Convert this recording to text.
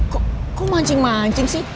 kok mancing mancing sih